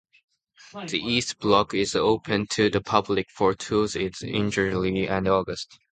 The East Block is open to the public for tours in July and August.